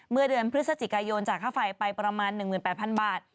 เมื่อเดือนพฤศจิกายนจากค่าไฟไปประมาณ๑๘๐๐๐บาท